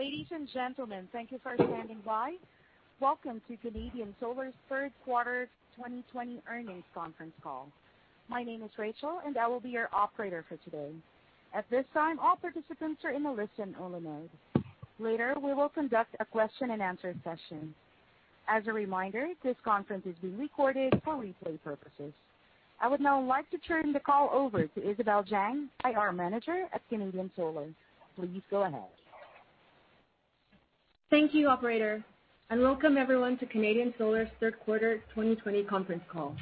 Ladies and gentlemen, thank you for standing by. Welcome to Canadian Solar's Third Quarter 2020 Earnings Conference Call. My name is Rachel, and I will be your operator for today. At this time, all participants are in the listen-only mode. Later, we will conduct a question-and-answer session. As a reminder, this conference is being recorded for replay purposes. I would now like to turn the call over to Isabel Zhang, IR Manager at Canadian Solar. Please go ahead. Thank you, Operator. Welcome, everyone, to Canadian Solar's Third Quarter 2020 Conference Call.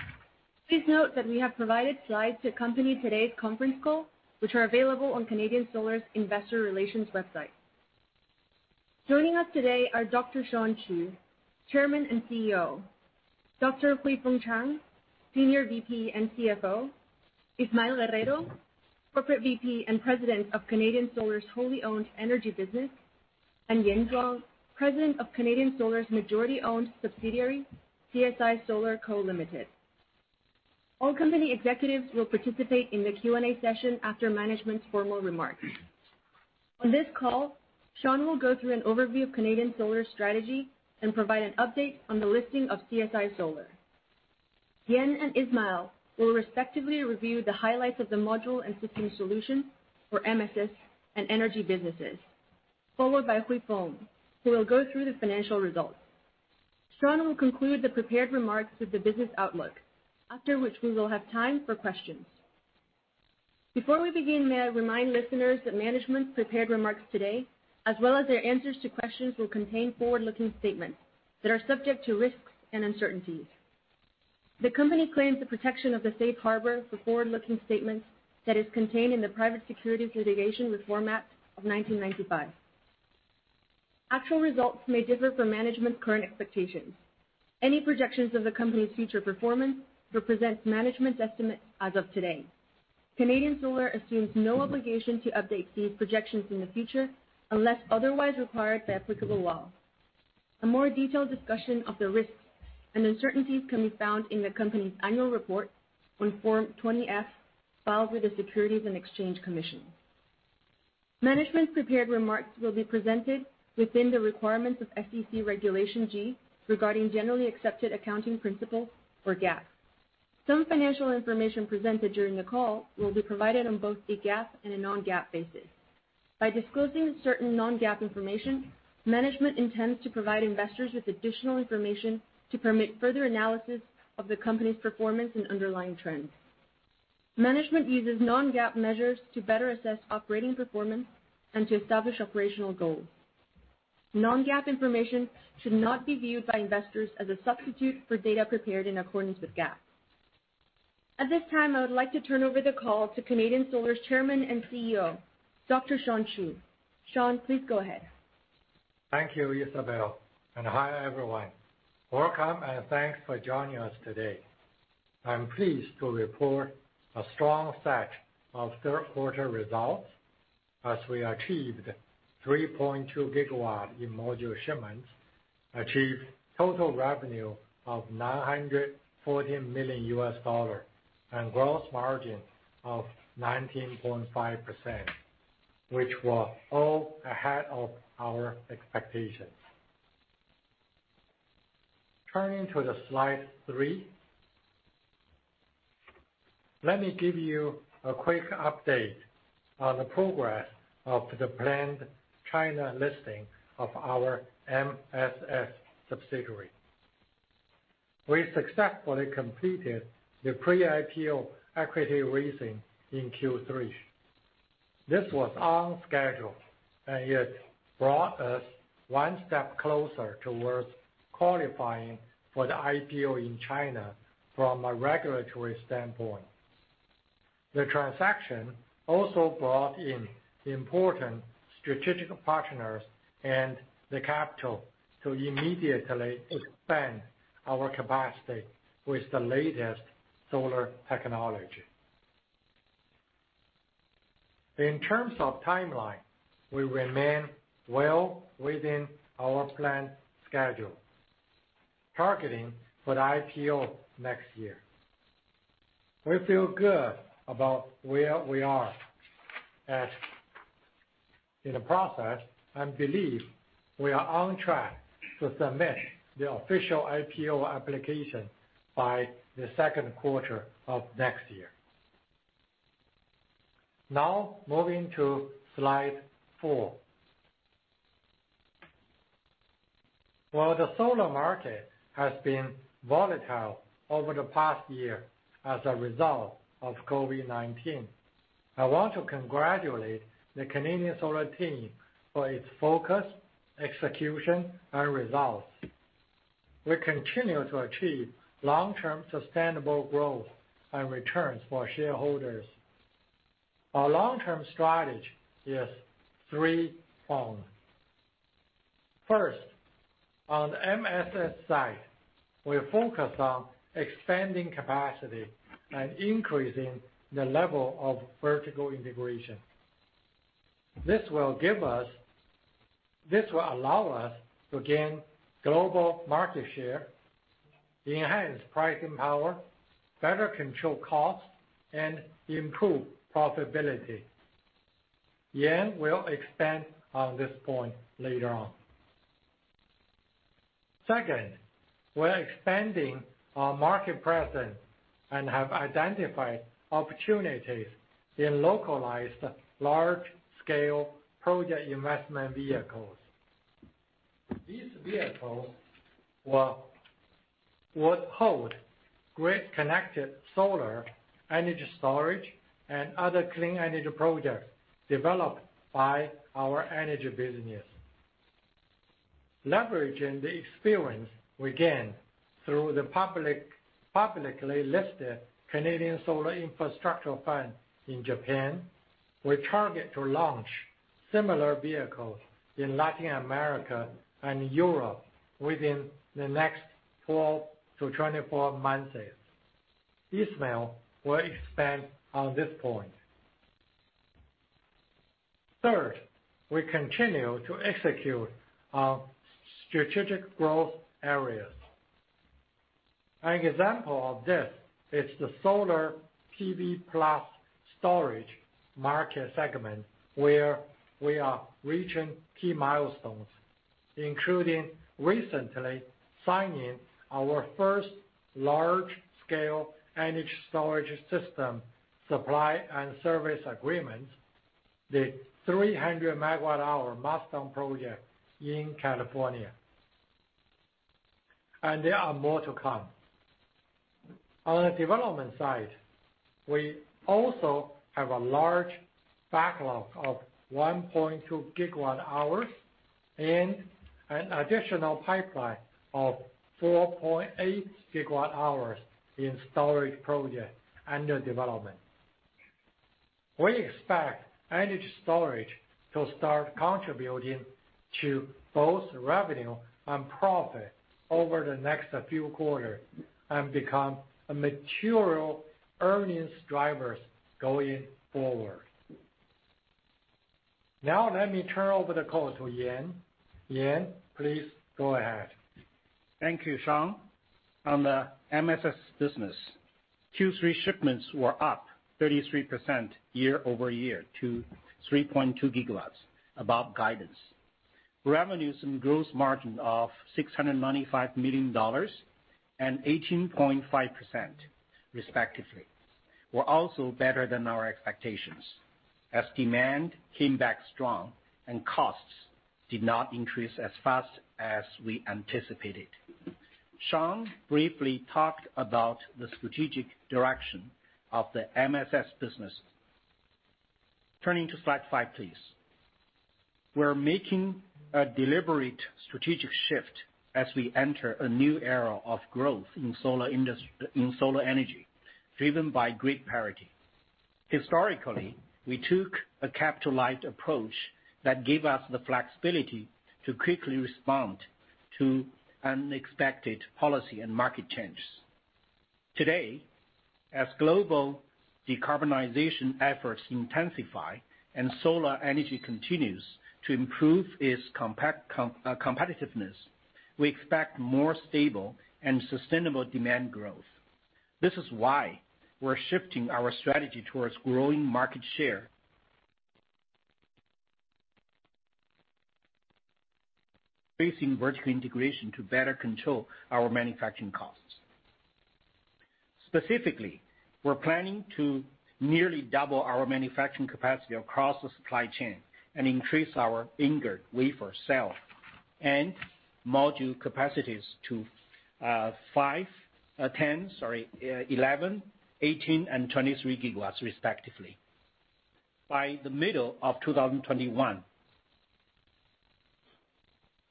Please note that we have provided slides to accompany today's conference call, which are available on Canadian Solar's Investor Relations website. Joining us today are Dr. Shawn (Xiaohua) Qu, Chairman and CEO; Dr. Huifeng Chang, Senior VP and CFO; Ismael Guerrero, Corporate VP and President of Canadian Solar's wholly-owned energy business; and Yan Zhuang, President of Canadian Solar's majority-owned subsidiary, CSI Solar Co., Ltd. All company executives will participate in the Q&A session after management's formal remarks. On this call, Shawn will go through an overview of Canadian Solar's strategy and provide an update on the listing of CSI Solar. Yan and Ismael will respectively review the highlights of the module and system solution for MSS and energy businesses, followed by Huifeng, who will go through the financial results. Shawn will conclude the prepared remarks with the business outlook, after which we will have time for questions. Before we begin, may I remind listeners that management's prepared remarks today, as well as their answers to questions, will contain forward-looking statements that are subject to risks and uncertainties. The company claims the protection of the safe harbor for forward-looking statements that is contained in the Private Securities Litigation Reform Act of 1995. Actual results may differ from management's current expectations. Any projections of the company's future performance represent management's estimate as of today. Canadian Solar assumes no obligation to update these projections in the future unless otherwise required by applicable law. A more detailed discussion of the risks and uncertainties can be found in the company's annual report on Form 20F, filed with the Securities and Exchange Commission. Management's prepared remarks will be presented within the requirements of SEC Regulation G regarding Generally Accepted Accounting Principles or GAAP. Some financial information presented during the call will be provided on both a GAAP and a non-GAAP basis. By disclosing certain non-GAAP information, management intends to provide investors with additional information to permit further analysis of the company's performance and underlying trends. Management uses non-GAAP measures to better assess operating performance and to establish operational goals. non-GAAP information should not be viewed by investors as a substitute for data prepared in accordance with GAAP. At this time, I would like to turn over the call to Canadian Solar's Chairman and CEO, Dr. Shawn Qu. Shawn, please go ahead. Thank you, Isabel, and hi everyone. Welcome, and thanks for joining us today. I'm pleased to report a strong set of third-quarter results as we achieved 3.2 GW in module shipments, achieved total revenue of $940 million, and gross margin of 19.5%, which were all ahead of our expectations. Turning to slide three, let me give you a quick update on the progress of the planned China listing of our MSS subsidiary. We successfully completed the pre-IPO equity raising in Q3. This was on schedule, and it brought us one step closer towards qualifying for the IPO in China from a regulatory standpoint. The transaction also brought in important strategic partners and the capital to immediately expand our capacity with the latest solar technology. In terms of timeline, we remain well within our planned schedule, targeting for the IPO next year. We feel good about where we are in the process and believe we are on track to submit the official IPO application by the second quarter of next year. Now, moving to slide four. While the solar market has been volatile over the past year as a result of COVID-19, I want to congratulate the Canadian Solar team for its focus, execution, and results. We continue to achieve long-term sustainable growth and returns for shareholders. Our long-term strategy is three-pronged. First, on the MSS side, we focus on expanding capacity and increasing the level of vertical integration. This will allow us to gain global market share, enhance pricing power, better control costs, and improve profitability. Yan will expand on this point later on. Second, we're expanding our market presence and have identified opportunities in localized large-scale project investment vehicles. These vehicles would hold great connected solar energy storage and other clean energy projects developed by our energy business. Leveraging the experience we gained through the publicly listed Canadian Solar Infrastructure Fund in Japan, we target to launch similar vehicles in Latin America and Europe within the next 12 to 24 months. Ismael will expand on this point. Third, we continue to execute our strategic growth areas. An example of this is the solar PV-plus storage market segment, where we are reaching key milestones, including recently signing our first large-scale energy storage system supply and service agreement, the 300 MWh milestone project in California. There are more to come. On the development side, we also have a large backlog of 1.2 GWh and an additional pipeline of 4.8 GWh in storage projects under development. We expect energy storage to start contributing to both revenue and profit over the next few quarters and become material earnings drivers going forward. Now, let me turn over the call to Yan. Yan, please go ahead. Thank you, Shawn. On the MSS business, Q3 shipments were up 33% year over year to 3.2 GW, above guidance. Revenues and gross margin of $695 million and 18.5%, respectively, were also better than our expectations as demand came back strong and costs did not increase as fast as we anticipated. Shawn briefly talked about the strategic direction of the MSS business. Turning to slide five, please. We're making a deliberate strategic shift as we enter a new era of growth in solar energy, driven by grid parity. Historically, we took a capitalized approach that gave us the flexibility to quickly respond to unexpected policy and market changes. Today, as global decarbonization efforts intensify and solar energy continues to improve its competitiveness, we expect more stable and sustainable demand growth. This is why we're shifting our strategy towards growing market share, increasing vertical integration to better control our manufacturing costs. Specifically, we're planning to nearly double our manufacturing capacity across the supply chain and increase our ingot sales and module capacities to 10, sorry, 11, 18, and 23 GW, respectively. By the middle of 2021,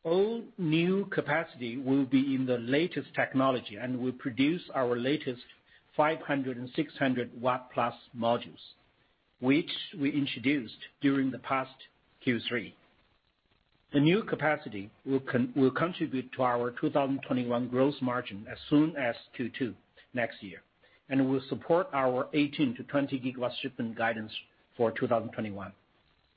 all new capacity will be in the latest technology and will produce our latest 500 and 600-watt-plus modules, which we introduced during the past Q3. The new capacity will contribute to our 2021 gross margin as soon as Q2 next year and will support our 18-20 GW shipment guidance for 2021.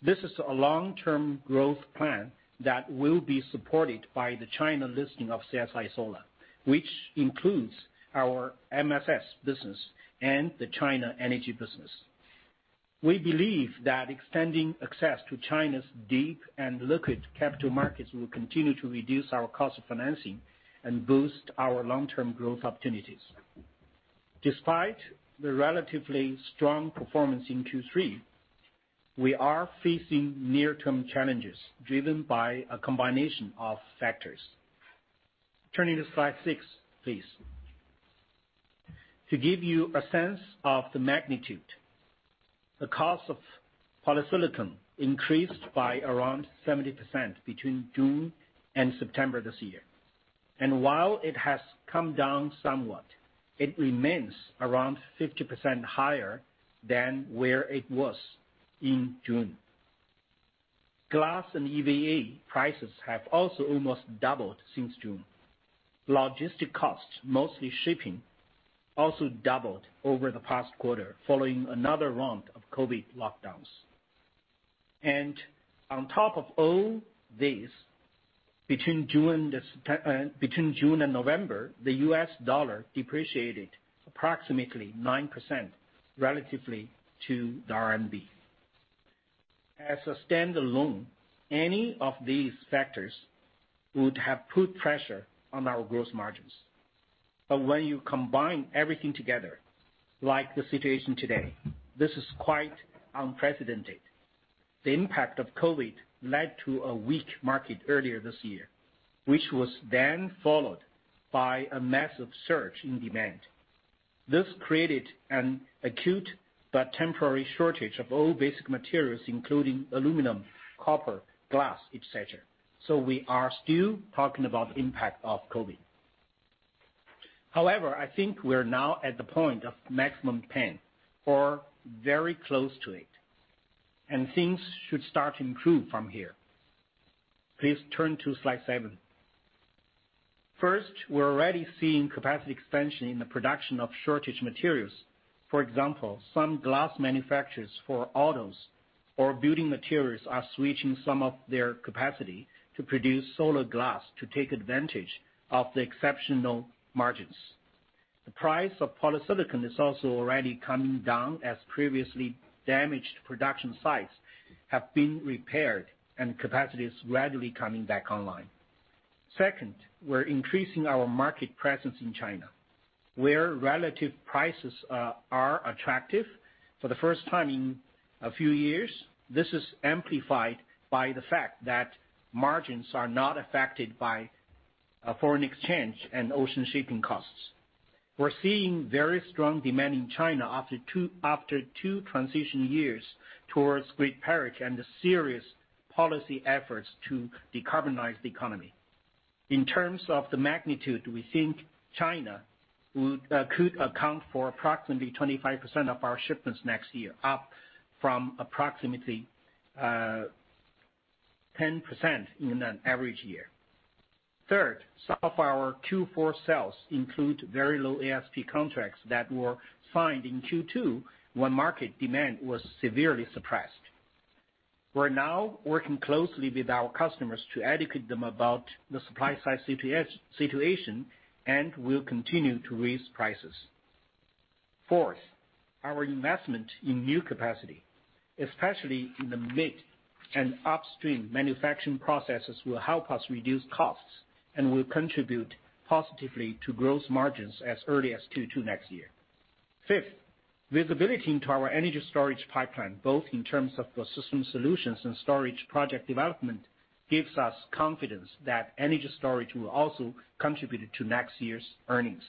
This is a long-term growth plan that will be supported by the China listing of CSI Solar, which includes our MSS business and the China energy business. We believe that extending access to China's deep and liquid capital markets will continue to reduce our cost of financing and boost our long-term growth opportunities. Despite the relatively strong performance in Q3, we are facing near-term challenges driven by a combination of factors. Turning to slide six, please. To give you a sense of the magnitude, the cost of polysilicon increased by around 70% between June and September this year. While it has come down somewhat, it remains around 50% higher than where it was in June. Glass and EVA prices have also almost doubled since June. Logistic costs, mostly shipping, also doubled over the past quarter following another round of COVID lockdowns. On top of all this, between June and November, the US Dollar depreciated approximately 9% relative to the RMB. As a standalone, any of these factors would have put pressure on our gross margins. When you combine everything together, like the situation today, this is quite unprecedented. The impact of COVID led to a weak market earlier this year, which was then followed by a massive surge in demand. This created an acute but temporary shortage of all basic materials, including aluminum, copper, glass, etc. We are still talking about the impact of COVID. However, I think we're now at the point of maximum pain or very close to it, and things should start to improve from here. Please turn to slide seven. First, we're already seeing capacity expansion in the production of shortage materials. For example, some glass manufacturers for autos or building materials are switching some of their capacity to produce solar glass to take advantage of the exceptional margins. The price of polysilicon is also already coming down as previously damaged production sites have been repaired and capacity is gradually coming back online. Second, we're increasing our market presence in China, where relative prices are attractive for the first time in a few years. This is amplified by the fact that margins are not affected by foreign exchange and ocean shipping costs. We're seeing very strong demand in China after two transition years towards grid parity and the serious policy efforts to decarbonize the economy. In terms of the magnitude, we think China could account for approximately 25% of our shipments next year, up from approximately 10% in an average year. Third, some of our Q4 sales include very low ASP contracts that were signed in Q2 when market demand was severely suppressed. We're now working closely with our customers to educate them about the supply-side situation and will continue to raise prices. Fourth, our investment in new capacity, especially in the mid and upstream manufacturing processes, will help us reduce costs and will contribute positively to gross margins as early as Q2 next year. Fifth, visibility into our energy storage pipeline, both in terms of the system solutions and storage project development, gives us confidence that energy storage will also contribute to next year's earnings.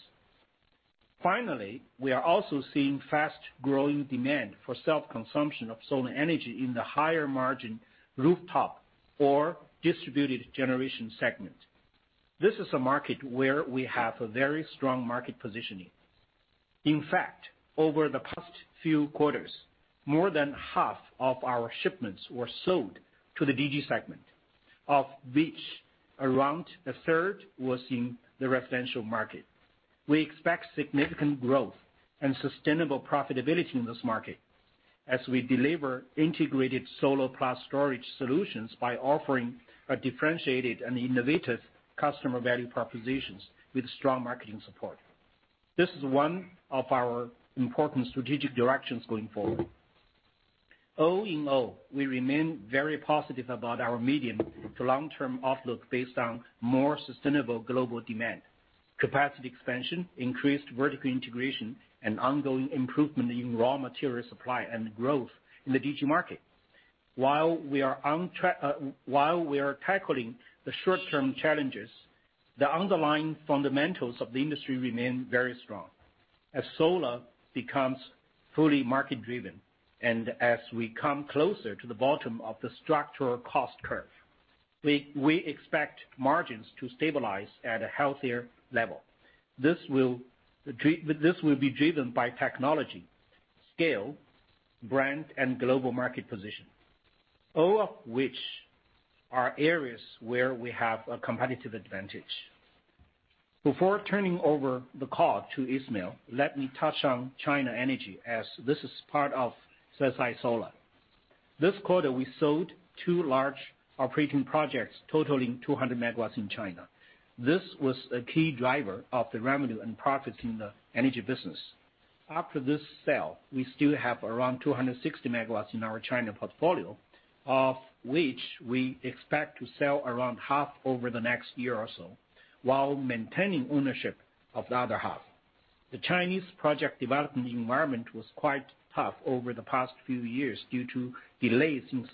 Finally, we are also seeing fast-growing demand for self-consumption of solar energy in the higher-margin rooftop or Distributed Generation segment. This is a market where we have a very strong market positioning. In fact, over the past few quarters, more than half of our shipments were sold to the DG segment, of which around a third was in the residential market. We expect significant growth and sustainable profitability in this market as we deliver integrated solar-plus storage solutions by offering a differentiated and innovative customer value propositions with strong marketing support. This is one of our important strategic directions going forward. All in all, we remain very positive about our medium to long-term outlook based on more sustainable global demand, capacity expansion, increased vertical integration, and ongoing improvement in raw material supply and growth in the DG market. While we are tackling the short-term challenges, the underlying fundamentals of the industry remain very strong. As solar becomes fully market-driven and as we come closer to the bottom of the structural cost curve, we expect margins to stabilize at a healthier level. This will be driven by technology, scale, brand, and global market position, all of which are areas where we have a competitive advantage. Before turning over the call to Ismael, let me touch on China energy as this is part of CSI Solar. This quarter, we sold two large operating projects totaling 200 MW in China. This was a key driver of the revenue and profits in the energy business. After this sale, we still have around 260 MW in our China portfolio, of which we expect to sell around half over the next year or so while maintaining ownership of the other half. The Chinese project development environment was quite tough over the past few years due to delays in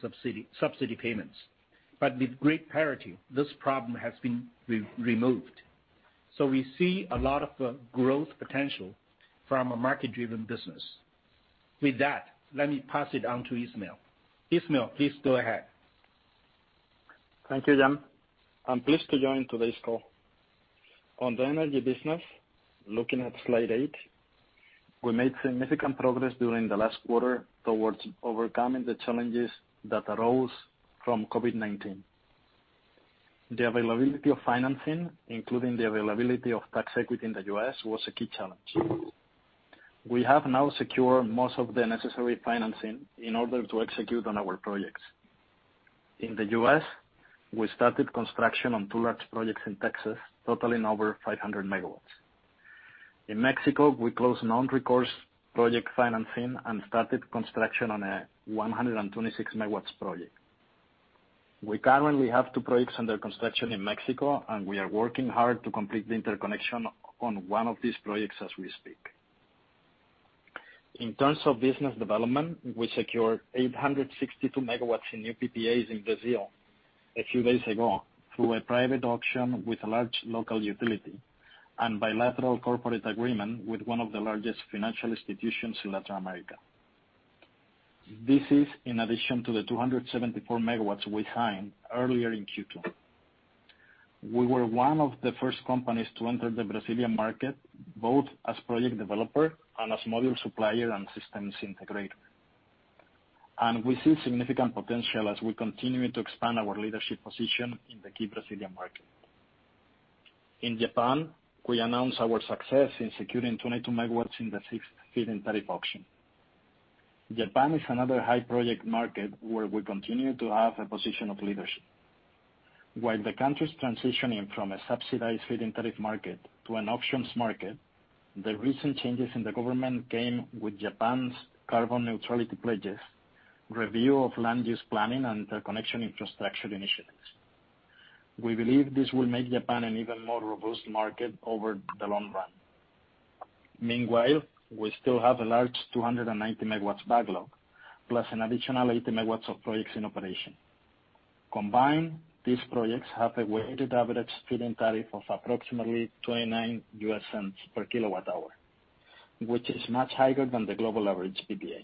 subsidy payments. With grid parity, this problem has been removed. We see a lot of growth potential from a market-driven business. With that, let me pass it on to Ismael. Ismael, please go ahead. Thank you, Yan. I'm pleased to join today's call. On the energy business, looking at slide eight, we made significant progress during the last quarter towards overcoming the challenges that arose from COVID-19. The availability of financing, including the availability of tax equity in the U.S., was a key challenge. We have now secured most of the necessary financing in order to execute on our projects. In the U.S., we started construction on two large projects in Texas totaling over 500 MW. In Mexico, we closed non-recourse project financing and started construction on a 126 MW project. We currently have two projects under construction in Mexico, and we are working hard to complete the interconnection on one of these projects as we speak. In terms of business development, we secured 862 MW in new PPAs in Brazil a few days ago through a private auction with a large local utility and bilateral corporate agreement with one of the largest financial institutions in Latin America. This is in addition to the 274 MW we signed earlier in Q2. We were one of the first companies to enter the Brazilian market, both as project developer and as module supplier and systems integrator. We see significant potential as we continue to expand our leadership position in the key Brazilian market. In Japan, we announced our success in securing 22 MW in the sixth Feed-in Tariff auction. Japan is another high-project market where we continue to have a position of leadership. While the country is transitioning from a subsidized Feed-in Tariff market to an auctions market, the recent changes in the government came with Japan's carbon neutrality pledges, review of land use planning, and interconnection infrastructure initiatives. We believe this will make Japan an even more robust market over the long run. Meanwhile, we still have a large 290 MW backlog, plus an additional 80 MW of projects in operation. Combined, these projects have a weighted average Feed-in Tariff of approximately $0.29 kWh, which is much higher than the global average PPA.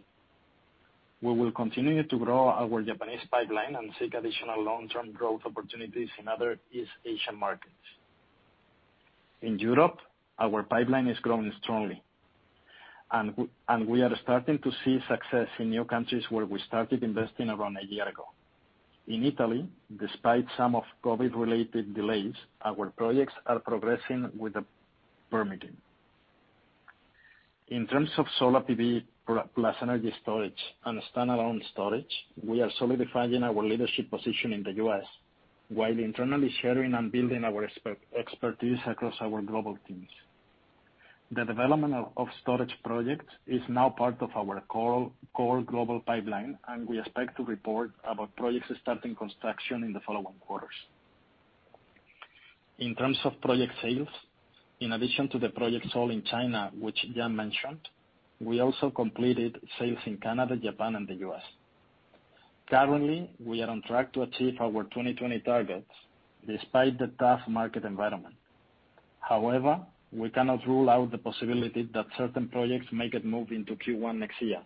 We will continue to grow our Japanese pipeline and seek additional long-term growth opportunities in other East Asian markets. In Europe, our pipeline is growing strongly, and we are starting to see success in new countries where we started investing around a year ago. In Italy, despite some of COVID-related delays, our projects are progressing with permitting. In terms of solar PV plus energy storage and standalone storage, we are solidifying our leadership position in the U.S. while internally sharing and building our expertise across our global teams. The development of storage projects is now part of our core global pipeline, and we expect to report about projects starting construction in the following quarters. In terms of project sales, in addition to the projects sold in China, which Yan mentioned, we also completed sales in Canada, Japan, and the U.S. Currently, we are on track to achieve our 2020 targets despite the tough market environment. However, we cannot rule out the possibility that certain projects may get moved into Q1 next year,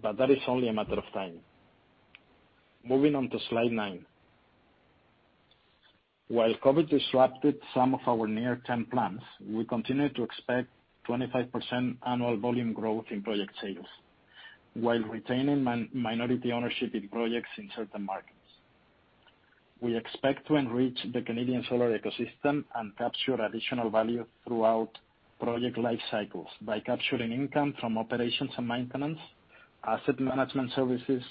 but that is only a matter of time. Moving on to slide nine. While COVID disrupted some of our near-term plans, we continue to expect 25% annual volume growth in project sales while retaining minority ownership in projects in certain markets. We expect to enrich the Canadian Solar ecosystem and capture additional value throughout project life cycles by capturing income from operations and maintenance, asset management services,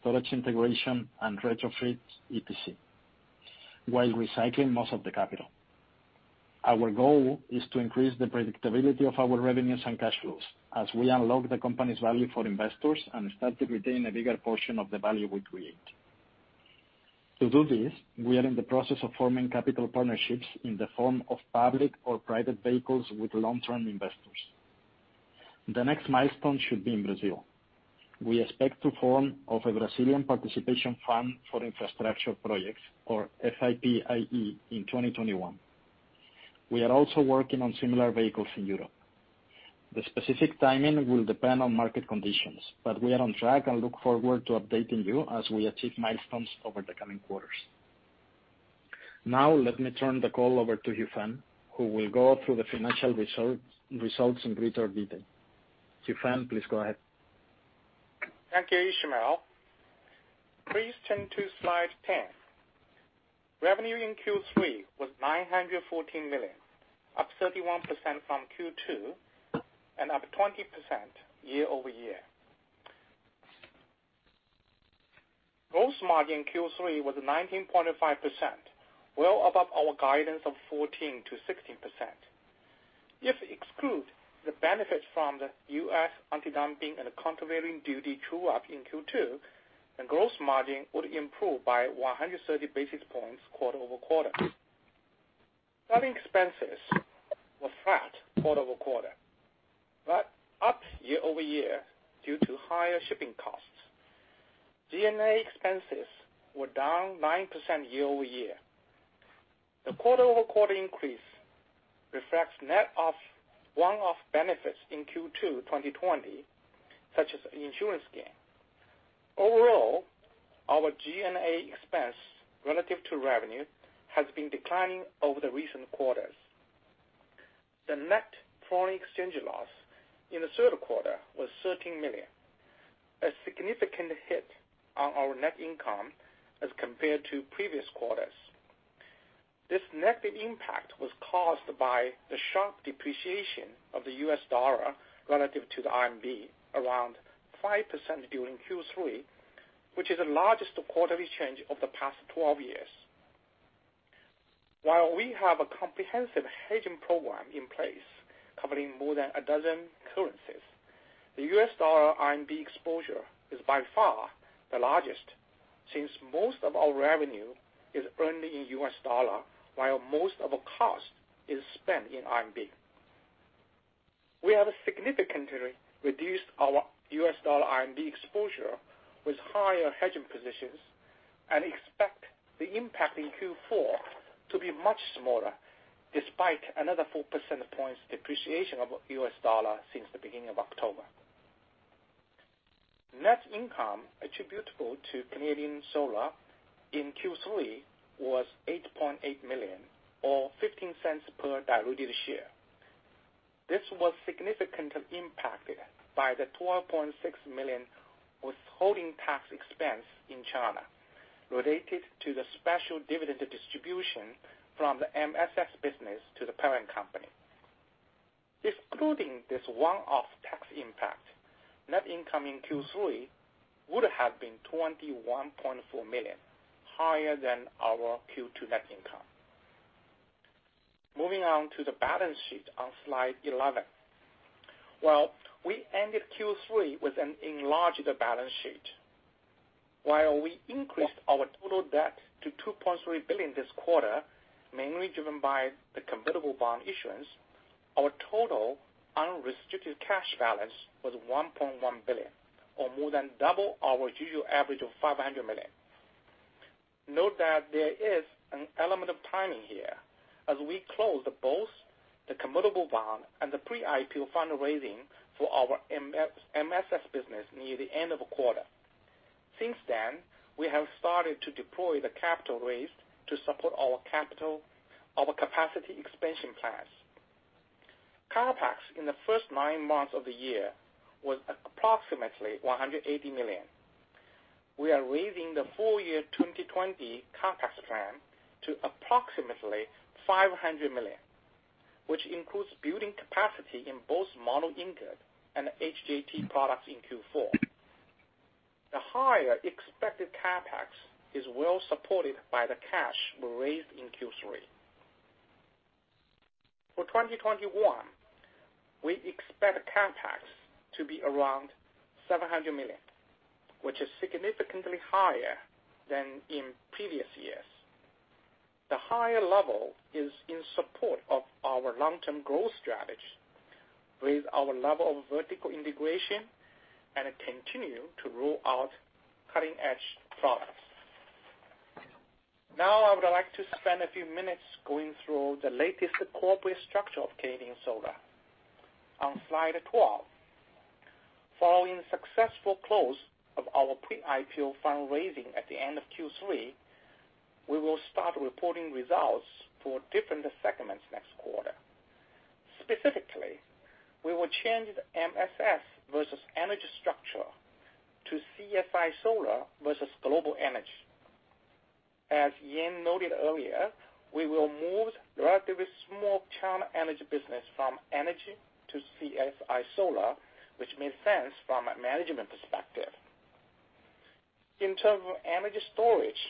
storage integration, and retrofit EPC, while recycling most of the capital. Our goal is to increase the predictability of our revenues and cash flows as we unlock the company's value for investors and start to retain a bigger portion of the value we create. To do this, we are in the process of forming capital partnerships in the form of public or private vehicles with long-term investors. The next milestone should be in Brazil. We expect to form a Brazilian Participation Fund for Infrastructure Projects, or FIP-IE, in 2021. We are also working on similar vehicles in Europe. The specific timing will depend on market conditions, but we are on track and look forward to updating you as we achieve milestones over the coming quarters. Now, let me turn the call over to Huifeng, who will go through the financial results in greater detail. Huifeng, please go ahead. Thank you, Ismael. Please turn to slide 10. Revenue in Q3 was $914 million, up 31% from Q2 and up 20% year over year. Gross margin Q3 was 19.5%, well above our guidance of 14-16%. If we exclude the benefits from the U.S. anti-dumping and the countervailing duty true-up in Q2, the gross margin would improve by 130 basis points quarter over quarter. Selling expenses were flat quarter over quarter, but up year over year due to higher shipping costs. G&A expenses were down 9% year over year. The quarter over quarter increase reflects one-off benefits in Q2 2020, such as insurance gain. Overall, our G&A expense relative to revenue has been declining over the recent quarters. The net foreign exchange loss in the third quarter was $13 million, a significant hit on our net income as compared to previous quarters. This negative impact was caused by the sharp depreciation of the US Dollar relative to the RMB, around 5% during Q3, which is the largest quarterly change over the past 12 years. While we have a comprehensive hedging program in place covering more than a dozen currencies, the US Dollar RMB exposure is by far the largest since most of our revenue is earned in US Dollar, while most of our cost is spent in RMB. We have significantly reduced our US Dollar RMB exposure with higher hedging positions and expect the impact in Q4 to be much smaller despite another 4 percentage points depreciation of US Dollar since the beginning of October. Net income attributable to Canadian Solar in Q3 was $8.8 million, or $0.15 per diluted share. This was significantly impacted by the $12.6 million withholding tax expense in China related to the special dividend distribution from the MSS business to the parent company. Excluding this one-off tax impact, net income in Q3 would have been $21.4 million, higher than our Q2 net income. Moving on to the balance sheet on slide 11. We ended Q3 with an enlarged balance sheet. While we increased our total debt to $2.3 billion this quarter, mainly driven by the convertible bond issuance, our total unrestricted cash balance was $1.1 billion, or more than double our usual average of $500 million. Note that there is an element of timing here as we closed both the convertible bond and the pre-IPO fundraising for our MSS business near the end of the quarter. Since then, we have started to deploy the capital raised to support our capital capacity expansion plans. CapEx in the first nine months of the year was approximately $180 million. We are raising the full year 2020 CapEx plan to approximately $500 million, which includes building capacity in both mono ingot and HJT products in Q4. The higher expected CapEx is well supported by the cash we raised in Q3. For 2021, we expect CapEx to be around $700 million, which is significantly higher than in previous years. The higher level is in support of our long-term growth strategy with our level of vertical integration and continue to roll out cutting-edge products. Now, I would like to spend a few minutes going through the latest corporate structure of Canadian Solar. On slide 12, following successful close of our pre-IPO fundraising at the end of Q3, we will start reporting results for different segments next quarter. Specifically, we will change the MSX versus energy structure to CSI Solar versus Global Energy. As Yan noted earlier, we will move relatively small China energy business from energy to CSI Solar, which makes sense from a management perspective. In terms of energy storage,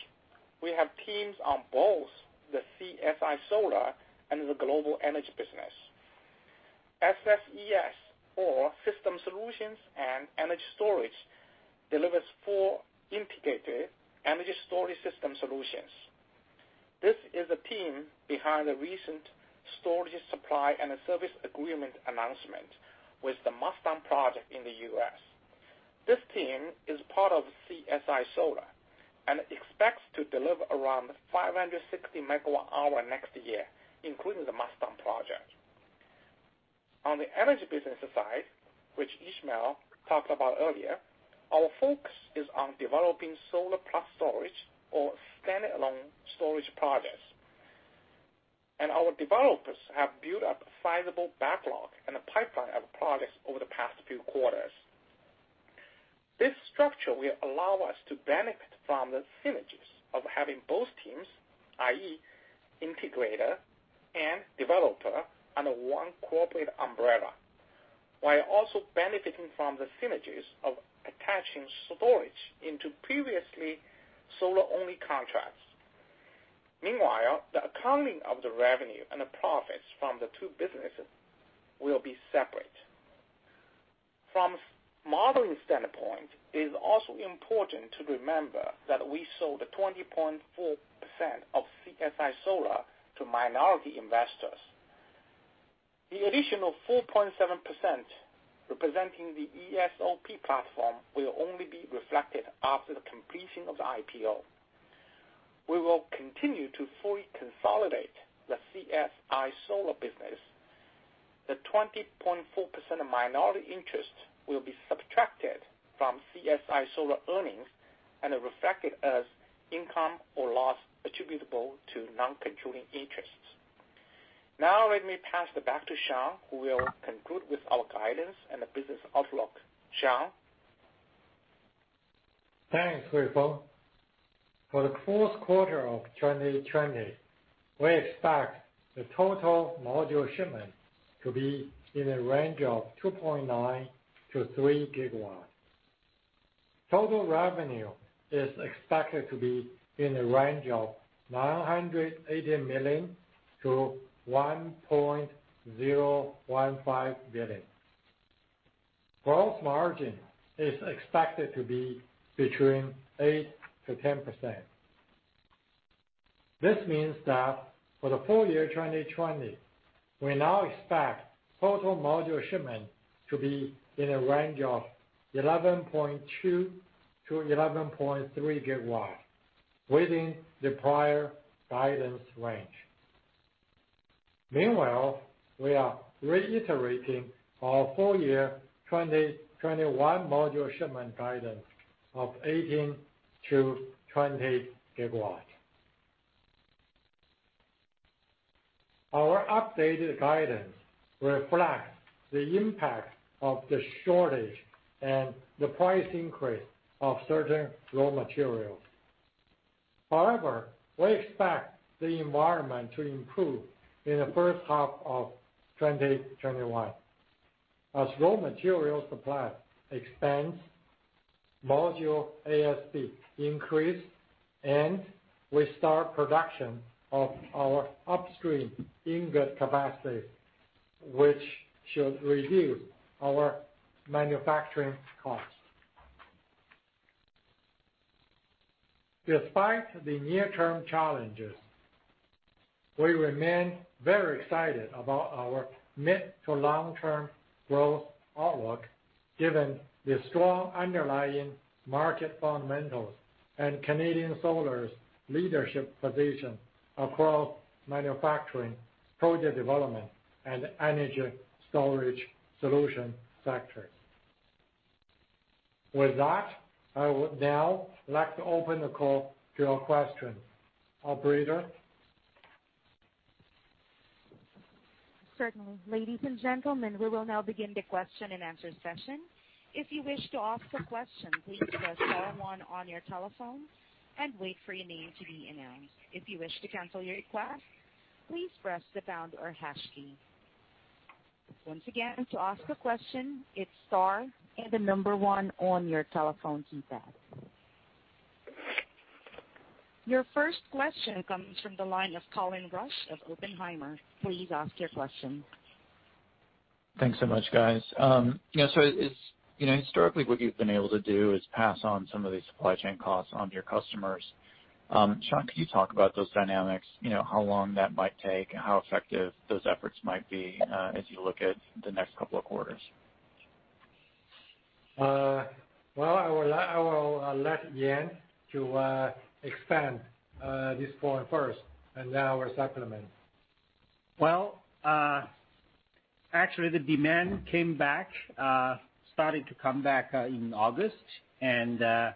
we have teams on both the CSI Solar and the Global Energy business. SSES, or System Solutions and Energy Storage, delivers four integrated energy storage system solutions. This is the team behind the recent storage supply and service agreement announcement with the Mustang project in the U.S. This team is part of CSI Solar and expects to deliver around 560 MWh next year, including the Mustang project. On the energy business side, which Ismael talked about earlier, our focus is on developing solar plus storage, or standalone storage projects. Our developers have built up a sizable backlog and a pipeline of projects over the past few quarters. This structure will allow us to benefit from the synergies of having both teams, i.e., integrator and developer, under one corporate umbrella, while also benefiting from the synergies of attaching storage into previously solar-only contracts. Meanwhile, the accounting of the revenue and the profits from the two businesses will be separate. From a modeling standpoint, it is also important to remember that we sold 20.4% of CSI Solar to minority investors. The additional 4.7% representing the ESOP platform will only be reflected after the completion of the IPO. We will continue to fully consolidate the CSI Solar business. The 20.4% minority interest will be subtracted from CSI Solar earnings and reflected as income or loss attributable to non-controlling interests. Now, let me pass it back to Shawn, who will conclude with our guidance and the business outlook. Shawn. Thanks, Huifeng. For the fourth quarter of 2020, we expect the total module shipment to be in the range of 2.9 Gw-3 GW. Total revenue is expected to be in the range of $980 million-$1.015 billion. Gross margin is expected to be between 8% and 10%. This means that for the full year 2020, we now expect total module shipment to be in the range of 11.2 GW-11.3 GW, within the prior guidance range. Meanwhile, we are reiterating our full year 2021 module shipment guidance of 18 GW-20 GW. Our updated guidance reflects the impact of the shortage and the price increase of certain raw materials. However, we expect the environment to improve in the first half of 2021 as raw material supply expands, module ASP increases, and we start production of our upstream ingot capacity, which should reduce our manufacturing costs. Despite the near-term challenges, we remain very excited about our mid to long-term growth outlook given the strong underlying market fundamentals and Canadian Solar's leadership position across manufacturing, project development, and energy storage solution sectors. With that, I would now like to open the call to your questions, Operator. Certainly. Ladies and gentlemen, we will now begin the question and answer session. If you wish to ask a question, please press star one on your telephone and wait for your name to be announced. If you wish to cancel your request, please press the pound or hash key. Once again, to ask a question, it's star and the number one on your telephone keypad. Your first question comes from the line of Colin Rusch of Oppenheimer. Please ask your question. Thanks so much, guys. Historically, what you've been able to do is pass on some of these supply chain costs onto your customers. Shawn, can you talk about those dynamics, how long that might take, and how effective those efforts might be as you look at the next couple of quarters? I will let Yan expand this point first and then I will supplement. Actually, the demand came back, started to come back in August, but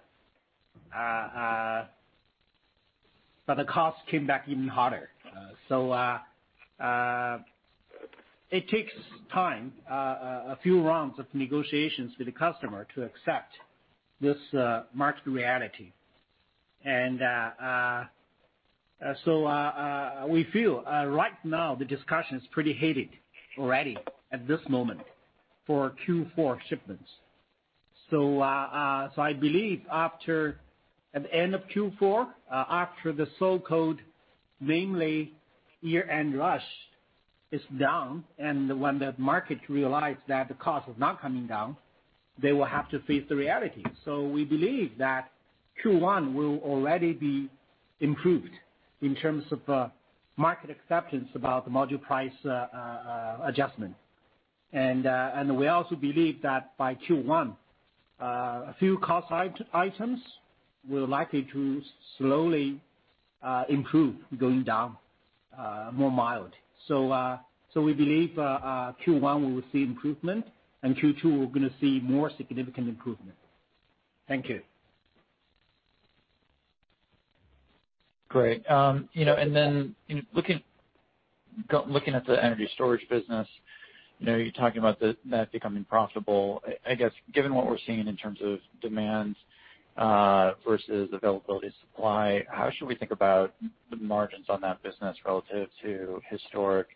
the cost came back even hotter. It takes time, a few rounds of negotiations with the customer to accept this market reality. We feel right now the discussion is pretty heated already at this moment for Q4 shipments. I believe at the end of Q4, after the so-called mainly year-end rush is down, and when the market realizes that the cost is not coming down, they will have to face the reality. We believe that Q1 will already be improved in terms of market acceptance about the module price adjustment. We also believe that by Q1, a few cost items will likely slowly improve, going down more mild. We believe Q1 we will see improvement, and Q2 we are going to see more significant improvement. Thank you. Great. Looking at the energy storage business, you're talking about that becoming profitable. I guess given what we're seeing in terms of demand versus availability of supply, how should we think about the margins on that business relative to historic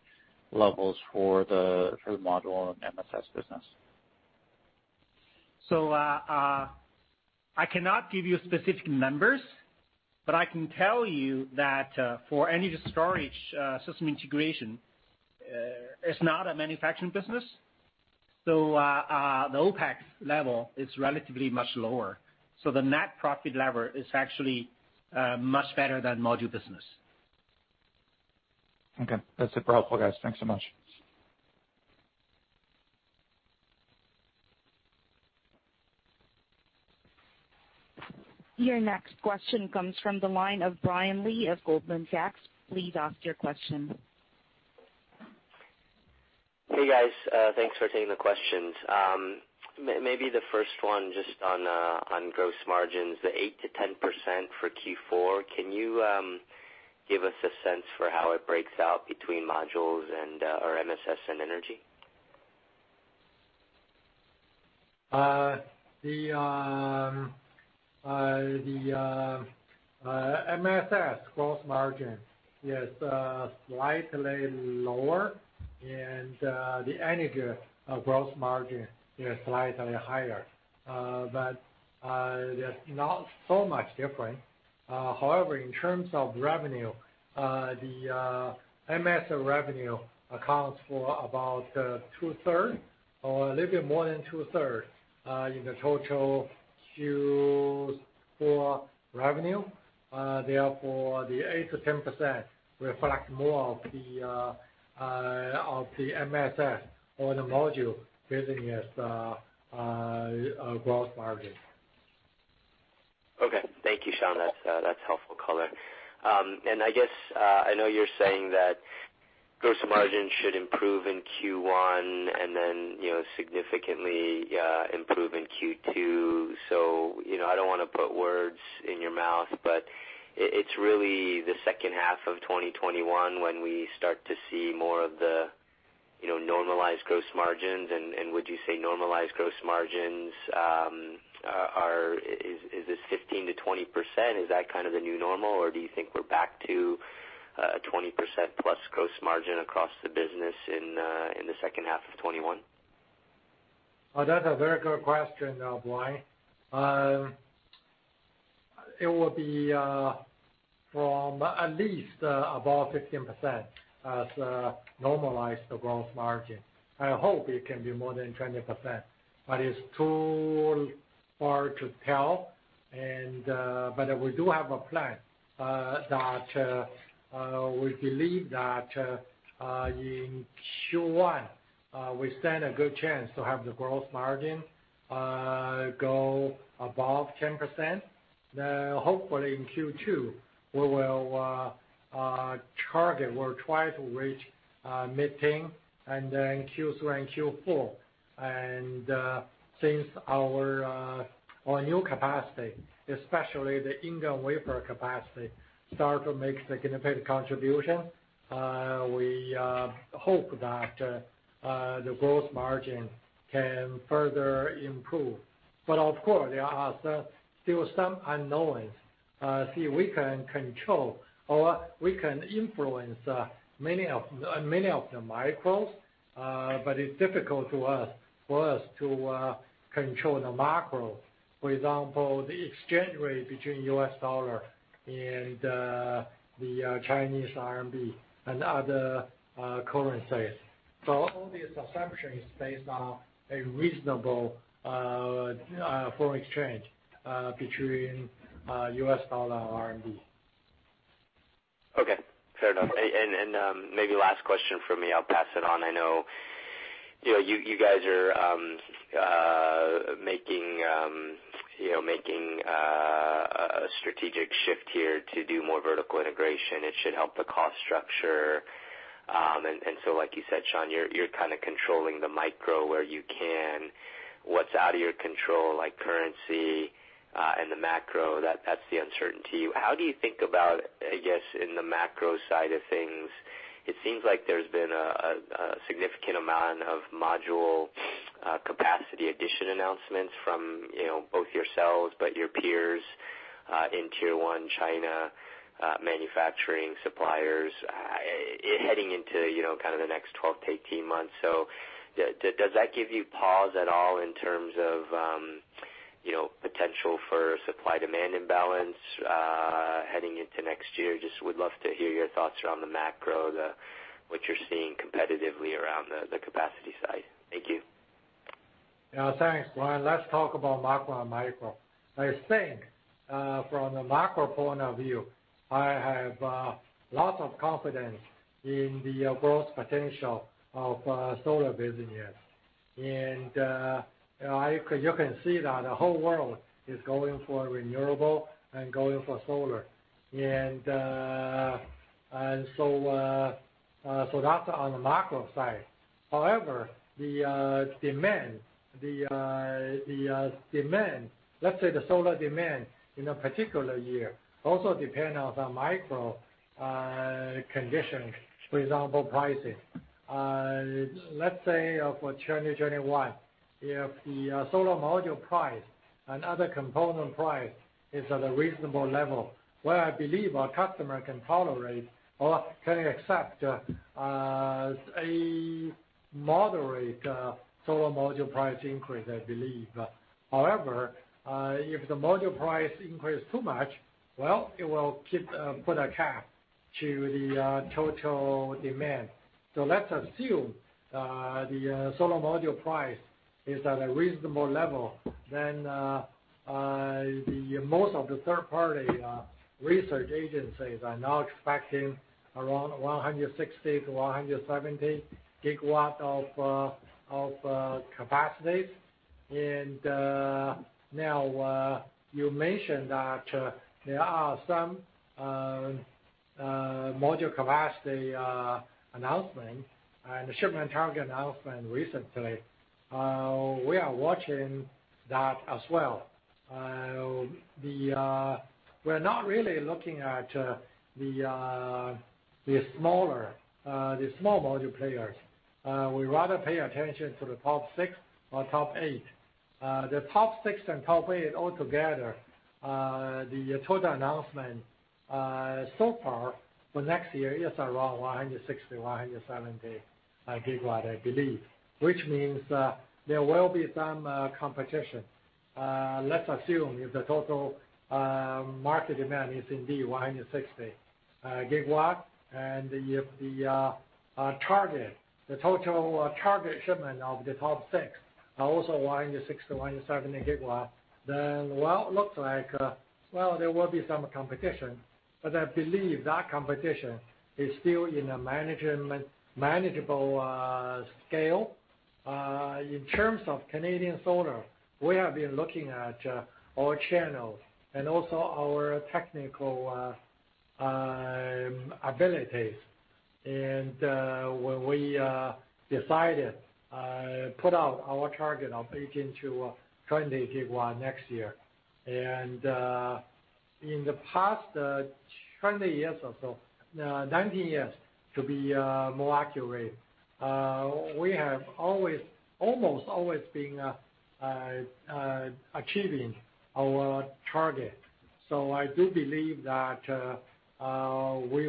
levels for the module and MSX business? I cannot give you specific numbers, but I can tell you that for energy storage system integration, it's not a manufacturing business. The OpEx level is relatively much lower. The net profit level is actually much better than module business. Okay. That's super helpful, guys. Thanks so much. Your next question comes from the line of Brian Lee of Goldman Sachs. Please ask your question. Hey, guys. Thanks for taking the questions. Maybe the first one just on gross margins, the 8%-10% for Q4, can you give us a sense for how it breaks out between modules and/or MSX and energy? The MSX gross margin is slightly lower, and the energy gross margin is slightly higher. There is not so much difference. However, in terms of revenue, the MSX revenue accounts for about two-thirds or a little bit more than two-thirds in the total Q4 revenue. Therefore, the 8-10% reflects more of the MSX or the module business gross margin. Okay. Thank you, Shawn. That's helpful, Colin. I guess I know you're saying that gross margin should improve in Q1 and then significantly improve in Q2. I don't want to put words in your mouth, but it's really the second half of 2021 when we start to see more of the normalized gross margins. Would you say normalized gross margins are, is this 15%-20%? Is that kind of the new normal, or do you think we're back to 20% plus gross margin across the business in the second half of 2021? Oh, that's a very good question, Brian. It will be from at least about 15% as normalized gross margin. I hope it can be more than 20%, but it's too far to tell. We do have a plan that we believe that in Q1, we stand a good chance to have the gross margin go above 10%. Now, hopefully, in Q2, we will target or try to reach mid-10, and then Q3 and Q4. Since our new capacity, especially the ingot and wafer capacity, start to make significant contributions, we hope that the gross margin can further improve. Of course, there are still some unknowns. See, we can control or we can influence many of the micros, but it's difficult for us to control the macros. For example, the exchange rate between the US Dollar and the Chinese RMB and other currencies. All these assumptions are based on a reasonable foreign exchange between the US Dollar and RMB. Okay. Fair enough. Maybe last question for me. I'll pass it on. I know you guys are making a strategic shift here to do more vertical integration. It should help the cost structure. Like you said, Shawn, you're kind of controlling the micro where you can. What's out of your control, like currency and the macro, that's the uncertainty. How do you think about, I guess, in the macro side of things? It seems like there's been a significant amount of module capacity addition announcements from both yourselves and your peers in Tier 1, China, manufacturing suppliers heading into the next 12 to 18 months. Does that give you pause at all in terms of potential for supply-demand imbalance heading into next year? Just would love to hear your thoughts around the macro, what you're seeing competitively around the capacity side. Thank you. Thanks, Brian. Let's talk about macro and micro. I think from the macro point of view, I have lots of confidence in the growth potential of solar business. You can see that the whole world is going for renewable and going for solar. That's on the macro side. However, the demand, let's say the solar demand in a particular year also depends on some micro conditions, for example, pricing. Let's say for 2021, if the solar module price and other component price is at a reasonable level, I believe our customer can tolerate or can accept a moderate solar module price increase, I believe. However, if the module price increases too much, it will put a cap to the total demand. Let's assume the solar module price is at a reasonable level, then most of the third-party research agencies are now expecting around 160-170 GW of capacity. You mentioned that there are some module capacity announcements and shipment target announcements recently. We are watching that as well. We are not really looking at the smaller module players. We rather pay attention to the top six or top eight. The top six and top eight altogether, the total announcement so far for next year is around 160 GW-170 GW, I believe, which means there will be some competition. Let's assume if the total market demand is indeed 160 GW, and if the total target shipment of the top six are also 160 GW-170 GW, then, well, it looks like, well, there will be some competition. I believe that competition is still in a manageable scale. In terms of Canadian Solar, we have been looking at our channels and also our technical abilities. We decided to put out our target of 18 GW-20 GW next year. In the past 20 years or so, 19 years to be more accurate, we have almost always been achieving our target. I do believe that we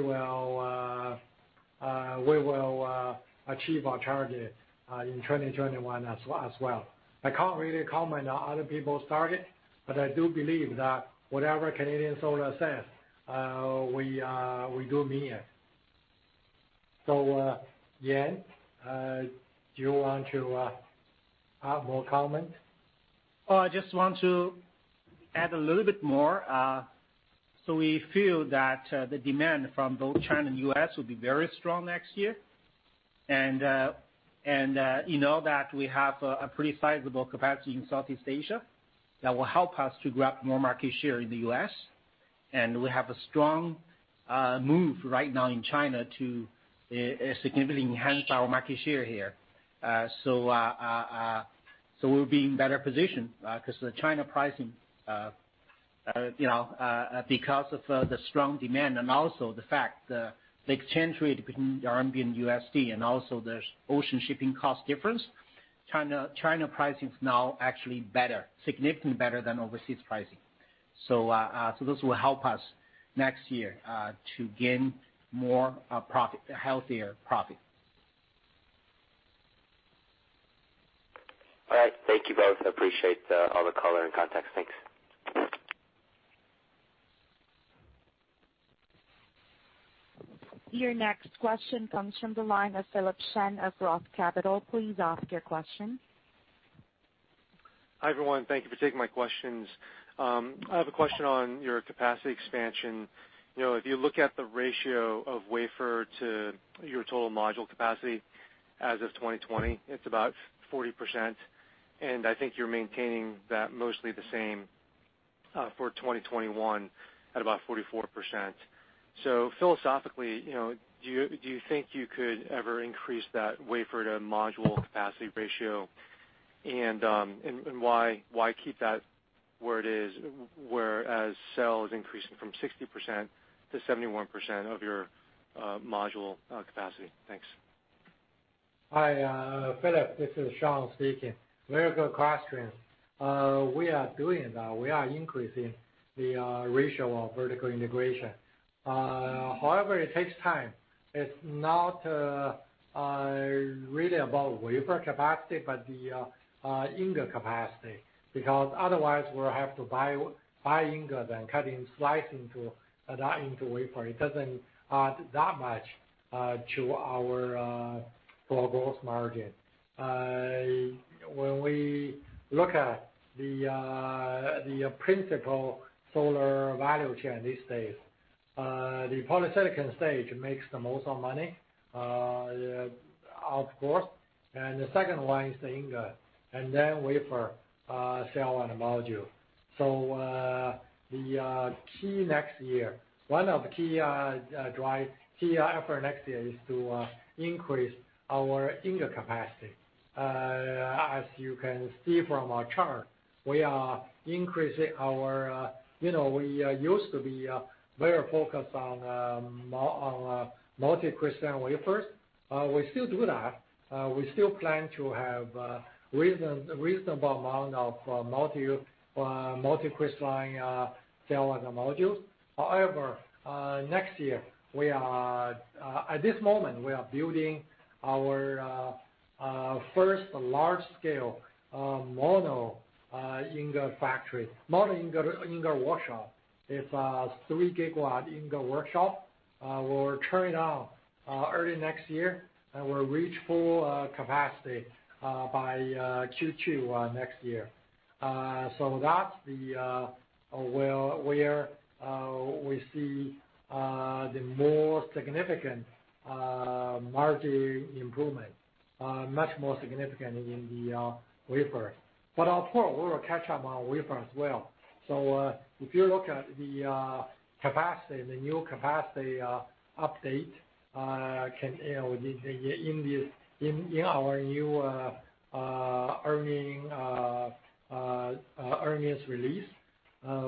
will achieve our target in 2021 as well. I can't really comment on other people's target, but I do believe that whatever Canadian Solar says, we do mean it. Yan, do you want to add more comment? I just want to add a little bit more. We feel that the demand from both China and the U.S. will be very strong next year. You know that we have a pretty sizable capacity in Southeast Asia that will help us to grab more market share in the U.S. We have a strong move right now in China to significantly enhance our market share here. We will be in a better position because of the China pricing, because of the strong demand, and also the fact the exchange rate between RMB and USD and also the ocean shipping cost difference. China pricing is now actually better, significantly better than overseas pricing. This will help us next year to gain more profit, healthier profit. All right. Thank you both. I appreciate all the color and context. Thanks. Your next question comes from the line of Philip Shen of Roth Capital. Please ask your question. Hi everyone. Thank you for taking my questions. I have a question on your capacity expansion. If you look at the ratio of wafer to your total module capacity as of 2020, it's about 40%. I think you're maintaining that mostly the same for 2021 at about 44%. Philosophically, do you think you could ever increase that wafer to module capacity ratio? Why keep that where it is, whereas cell is increasing from 60% to 71% of your module capacity? Thanks. Hi, Philip. This is Shawn speaking. Very good question. We are doing that. We are increasing the ratio of vertical integration. However, it takes time. It's not really about wafer capacity, but the ingot capacity. Because otherwise, we'll have to buy ingot and slice into wafer. It doesn't add that much to our gross margin. When we look at the principal solar value chain these days, the polysilicon stage makes the most of money, of course. The second one is the ingot. Then wafer, cell, and module. The key next year, one of the key drive, key effort next year is to increase our ingot capacity. As you can see from our chart, we are increasing our we used to be very focused on multi-crystalline wafers. We still do that. We still plan to have a reasonable amount of multi-crystalline cell and modules. However, next year, at this moment, we are building our first large-scale mono ingot factory, mono ingot workshop. It's a 3 GW ingot workshop. We'll turn it on early next year, and we'll reach full capacity by Q2 next year. That's where we see the more significant margin improvement, much more significant in the wafer. Of course, we will catch up on wafer as well. If you look at the capacity and the new capacity update in our new earnings release,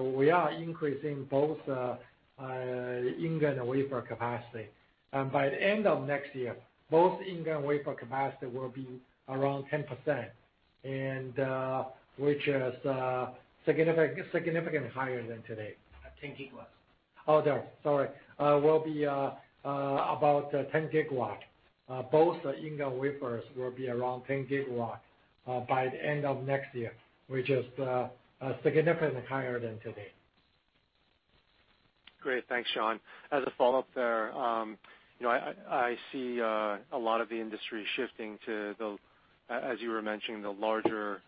we are increasing both ingot and wafer capacity. By the end of next year, both ingot and wafer capacity will be around 10%, which is significantly higher than today. At 10 GW. Oh, there. Sorry. Will be about 10 GW. Both ingot and wafers will be around 10 GW by the end of next year, which is significantly higher than today. Great. Thanks, Shawn. As a follow-up there, I see a lot of the industry shifting to, as you were mentioning, the larger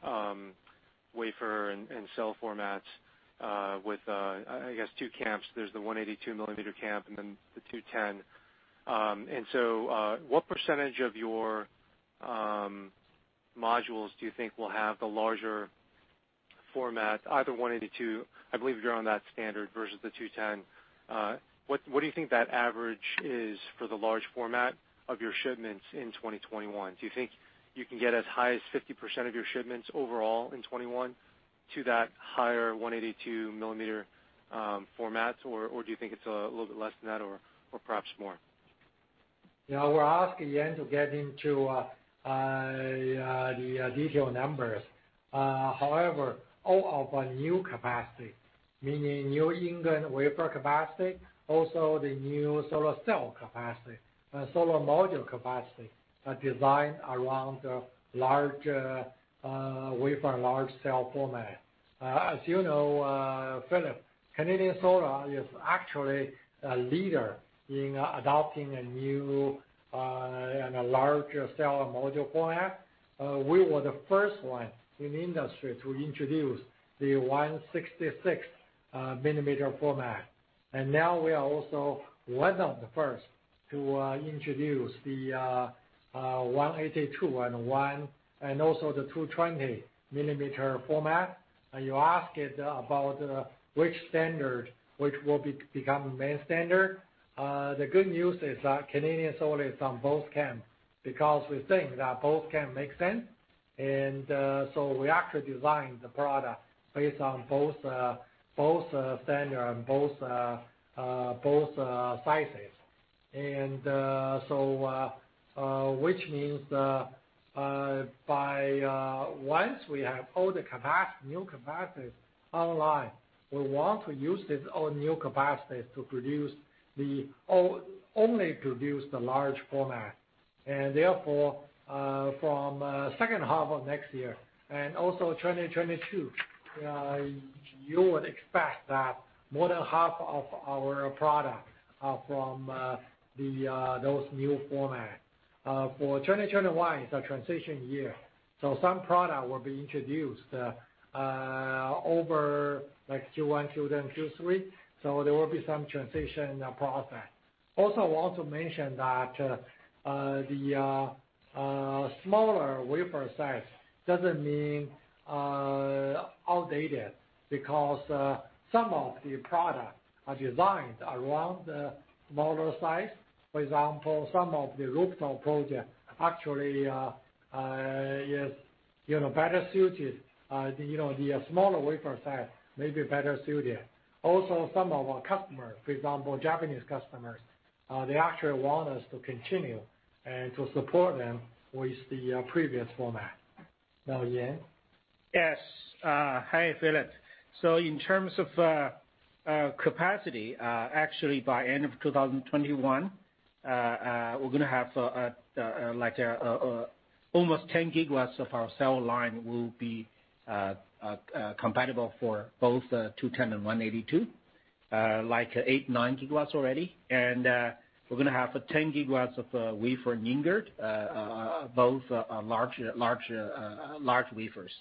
wafer and cell formats with, I guess, two camps. There is the 182-millimeter camp and then the 210. What percentage of your modules do you think will have the larger format, either 182, I believe you are on that standard versus the 210? What do you think that average is for the large format of your shipments in 2021? Do you think you can get as high as 50% of your shipments overall in 2021 to that higher 182-millimeter format, or do you think it is a little bit less than that or perhaps more? Yeah. We're asking Yan to get into the detailed numbers. However, all of our new capacity, meaning new ingot and wafer capacity, also the new solar cell capacity and solar module capacity, are designed around the large wafer and large cell format. As you know, Philip, Canadian Solar is actually a leader in adopting a new and a larger cell and module format. We were the first one in the industry to introduce the 166-millimeter format. We are also one of the first to introduce the 182 and also the 210-millimeter format. You asked about which standard will become the main standard. The good news is that Canadian Solar is on both camps because we think that both camps make sense. We actually designed the product based on both standards and both sizes. Which means that once we have all the new capacities online, we want to use all these new capacities to produce only the large format. Therefore, from the second half of next year and also 2022, you would expect that more than half of our product will be from those new formats. For 2021, it is a transition year. Some product will be introduced over Q1, Q2, and Q3, so there will be some transition process. Also, I want to mention that the smaller wafer size does not mean outdated because some of the products are designed around the smaller size. For example, some of the rooftop projects actually are better suited. The smaller wafer size may be better suited. Also, some of our customers, for example, Japanese customers, actually want us to continue and to support them with the previous format. Now, Yan? Yes. Hi, Philip. In terms of capacity, actually, by end of 2021, we're going to have almost 10 GW of our cell line will be compatible for both 210 and 182, like 8, 9 GW already. We're going to have 10 GW of wafer and ingot, both large wafers.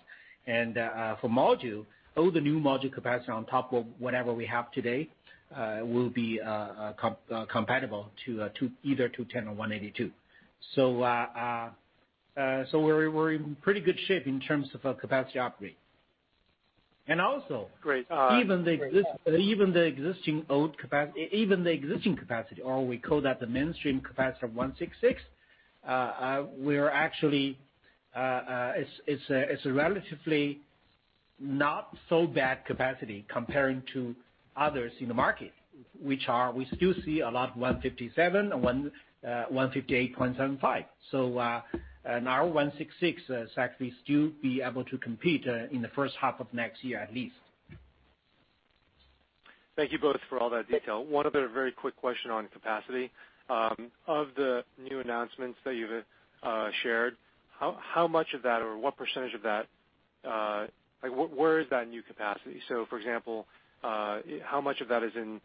For module, all the new module capacity on top of whatever we have today will be compatible to either 210 or 182. We're in pretty good shape in terms of capacity upgrade. Also. Great. Excellent. Even the existing old capacity, even the existing capacity, or we call that the mainstream capacity of 166, actually it's a relatively not so bad capacity comparing to others in the market, which are we still see a lot of 157 and 158.75. Our 166 is actually still be able to compete in the first half of next year at least. Thank you both for all that detail. One other very quick question on capacity. Of the new announcements that you've shared, how much of that or what percentage of that, where is that new capacity? For example, how much of that is in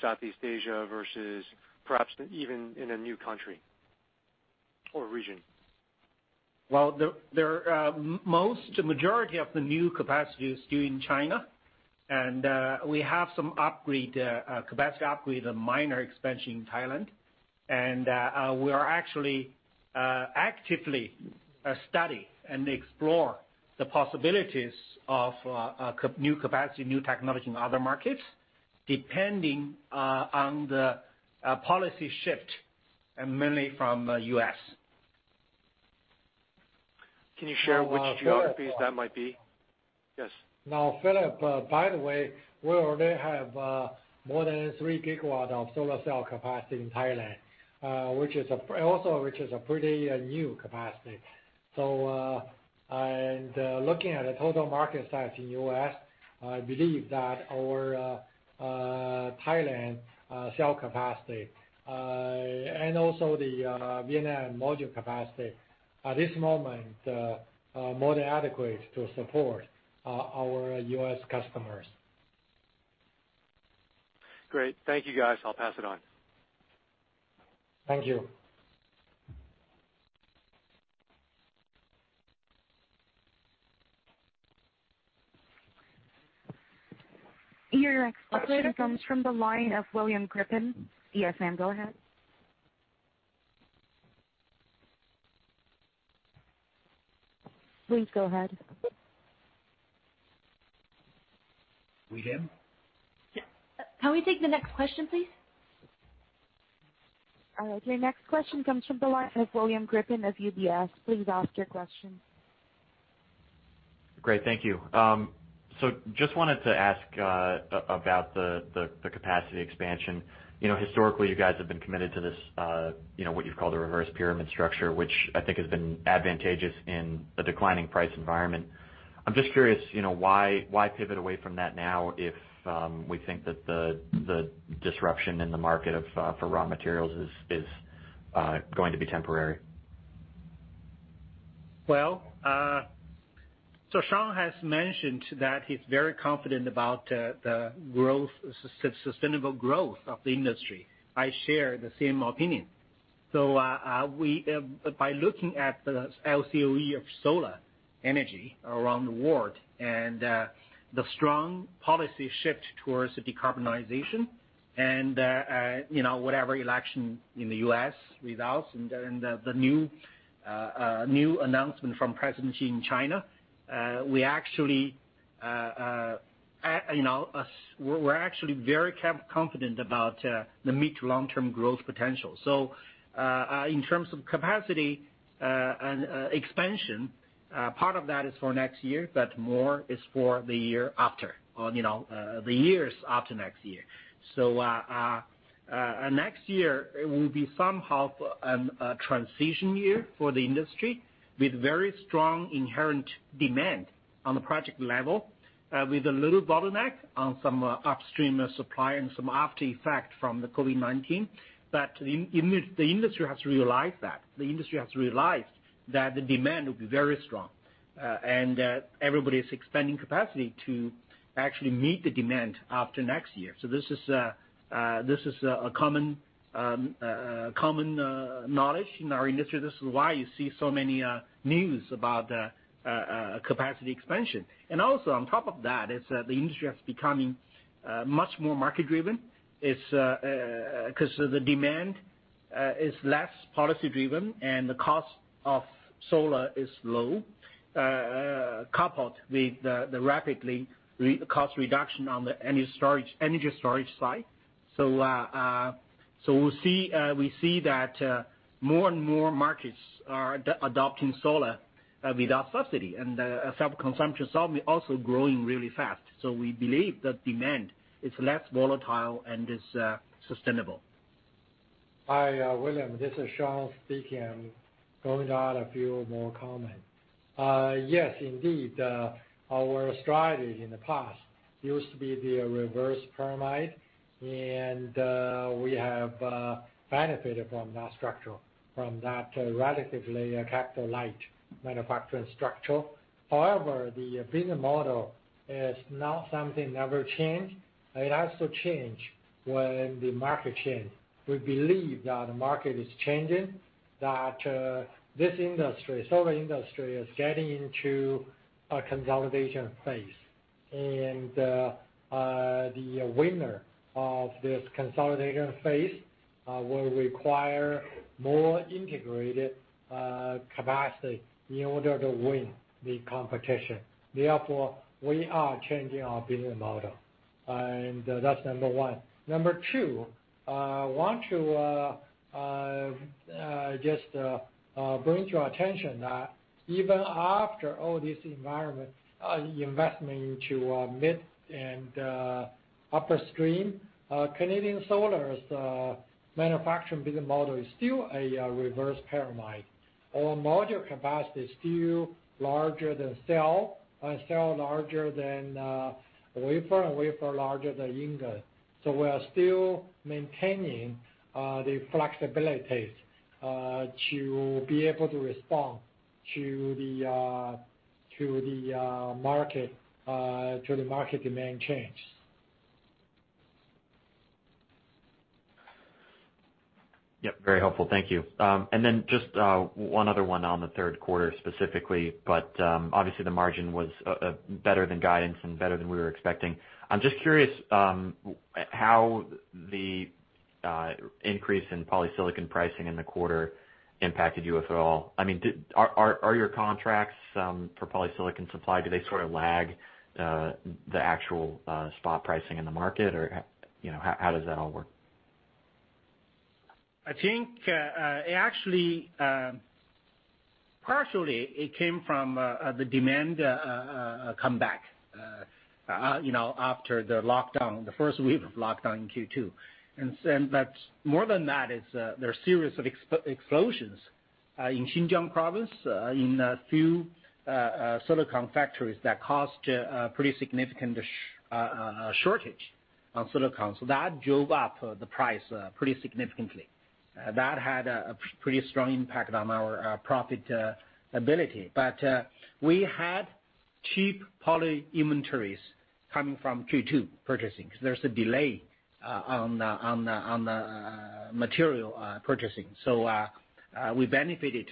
Southeast Asia versus perhaps even in a new country or region? The majority of the new capacity is still in China. We have some capacity upgrade and minor expansion in Thailand. We are actually actively studying and exploring the possibilities of new capacity, new technology in other markets depending on the policy shift mainly from the U.S. Can you share which geographies that might be? Yes. Now, Philip, by the way, we already have more than 3 GW of solar cell capacity in Thailand, which is also a pretty new capacity. Looking at the total market size in the U.S., I believe that our Thailand cell capacity and also the Vietnam module capacity at this moment are more than adequate to support our U.S. customers. Great. Thank you, guys. I'll pass it on. Thank you. Your next question comes from the line of William Grippin. Yes, ma'am, go ahead. Please go ahead. William? Can we take the next question, please? All right. Your next question comes from the line of William Grippin of UBS. Please ask your question. Great. Thank you. Just wanted to ask about the capacity expansion. Historically, you guys have been committed to what you've called a reverse pyramid structure, which I think has been advantageous in a declining price environment. I'm just curious, why pivot away from that now if we think that the disruption in the market for raw materials is going to be temporary? Shawn has mentioned that he's very confident about the sustainable growth of the industry. I share the same opinion. By looking at the LCOE of solar energy around the world and the strong policy shift towards decarbonization and whatever election in the U.S. results and the new announcement from the presidency in China, we are actually very confident about the mid to long-term growth potential. In terms of capacity and expansion, part of that is for next year, but more is for the year after or the years after next year. Next year will be somehow a transition year for the industry with very strong inherent demand on the project level with a little bottleneck on some upstream supply and some after-effect from COVID-19. The industry has realized that. The industry has realized that the demand will be very strong. Everybody is expanding capacity to actually meet the demand after next year. This is common knowledge in our industry. This is why you see so many news about capacity expansion. Also, on top of that, the industry has become much more market-driven because the demand is less policy-driven and the cost of solar is low, coupled with the rapid cost reduction on the energy storage side. We see that more and more markets are adopting solar without subsidy. Self-consumption solar is also growing really fast. We believe the demand is less volatile and is sustainable. Hi, William. This is Shawn speaking. I'm going to add a few more comments. Yes, indeed, our strategy in the past used to be the reverse pyramid, and we have benefited from that structure, from that relatively capital-light manufacturing structure. However, the business model is not something that will change. It has to change when the market changes. We believe that the market is changing, that this industry, solar industry, is getting into a consolidation phase. The winner of this consolidation phase will require more integrated capacity in order to win the competition. Therefore, we are changing our business model. That's number one. Number two, I want to just bring to your attention that even after all this environment, investment into mid and upstream, Canadian Solar's manufacturing business model is still a reverse pyramid. Our module capacity is still larger than cell, and cell larger than wafer, and wafer larger than ingot. We are still maintaining the flexibilities to be able to respond to the market demand change. Yep. Very helpful. Thank you. Just one other one on the third quarter specifically, but obviously, the margin was better than guidance and better than we were expecting. I'm just curious how the increase in polysilicon pricing in the quarter impacted you, if at all. I mean, are your contracts for polysilicon supply, do they sort of lag the actual spot pricing in the market, or how does that all work? I think actually, partially, it came from the demand comeback after the lockdown, the first wave of lockdown in Q2. More than that, there are a series of explosions in Xinjiang Province in a few silicon factories that caused a pretty significant shortage on silicon. That drove up the price pretty significantly. That had a pretty strong impact on our profitability. We had cheap poly inventories coming from Q2 purchasing because there's a delay on the material purchasing. We benefited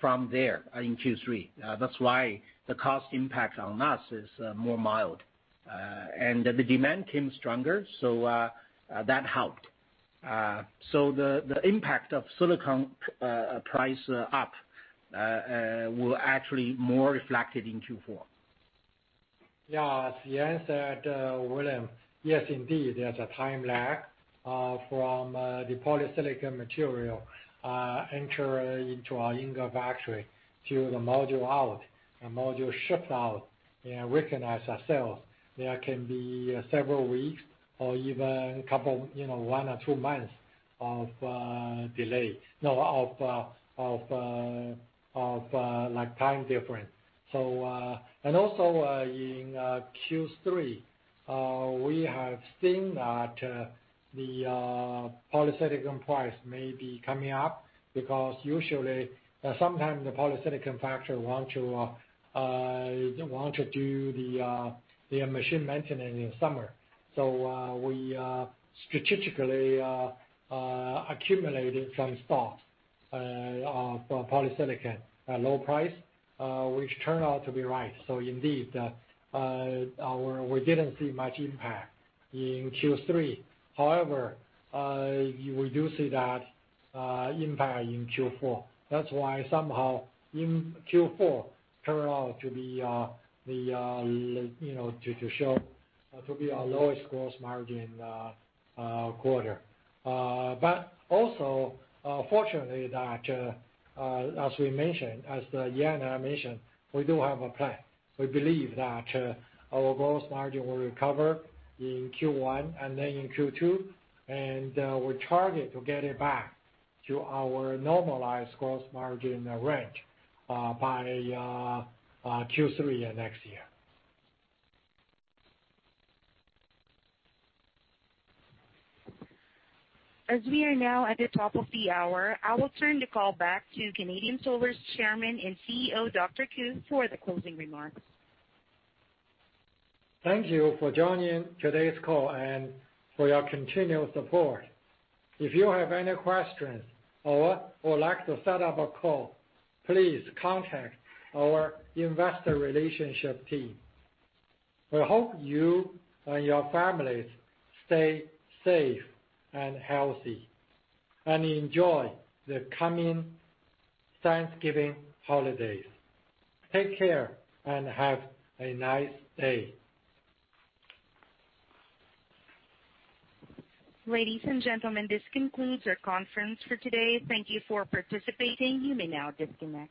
from there in Q3. That's why the cost impact on us is more mild. The demand came stronger, so that helped. The impact of silicon price up will actually be more reflected in Q4. Yes. You answered, William. Yes, indeed, there's a time lag from the polysilicon material entering into our ingot factory to the module out, the module shipped out. And recognize ourselves, there can be several weeks or even one or two months of delay, no, of time difference. Also in Q3, we have seen that the polysilicon price may be coming up because usually, sometimes the polysilicon factory wants to do the machine maintenance in the summer. We strategically accumulated some stock of polysilicon at low price, which turned out to be right. Indeed, we didn't see much impact in Q3. However, we do see that impact in Q4. That's why somehow Q4 turned out to show to be our lowest gross margin quarter. Also, fortunately, as we mentioned, as Yan mentioned, we do have a plan. We believe that our gross margin will recover in Q1 and then in Q2. We target to get it back to our normalized gross margin range by Q3 next year. As we are now at the top of the hour, I will turn the call back to Canadian Solar's Chairman and CEO, Dr. Shawn Qu, for the closing remarks. Thank you for joining today's call and for your continued support. If you have any questions or would like to set up a call, please contact our investor relationship team. We hope you and your families stay safe and healthy and enjoy the coming Thanksgiving holidays. Take care and have a nice day. Ladies and gentlemen, this concludes our conference for today. Thank you for participating. You may now disconnect.